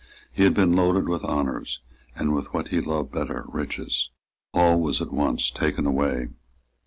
He had been loaded with honours, and with what he loved better, riches. All was at once taken away.